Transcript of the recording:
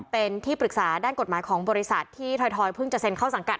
เป็นที่ปรึกษาด้านกฎหมายของบริษัทที่ทอยเพิ่งจะเซ็นเข้าสังกัด